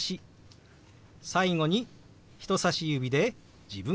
最後に人さし指で自分を指さします。